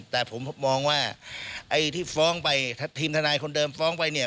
แต่ผมมองว่าไอ้ที่ฟ้องไปทีมทนายคนเดิมฟ้องไปเนี่ย